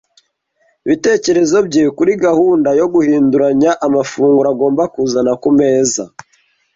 ibitekerezo bye kuri gahunda yo guhinduranya amafunguro agomba kuzana ku meza,